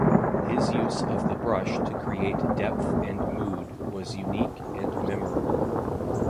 His use of the brush to create depth and mood was unique and memorable.